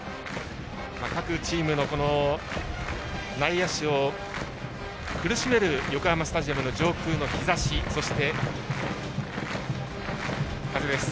各チームの内野手を苦しめる横浜スタジアムの上空の日ざしそして風です。